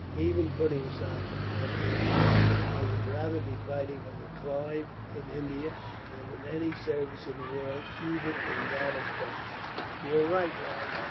Even putting aside my nationality, I would rather be fighting under Clive, in India, than in any service in the world even in that of Prussia." "You are right, lad.